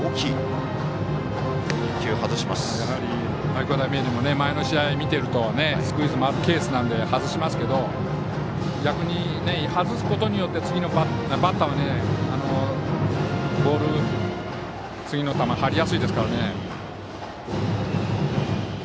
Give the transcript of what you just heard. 愛工大名電も前の試合見てるとスクイズもあるケースなんで外しますけど逆に外すことによって次のバッター次の球、張りやすいですからね。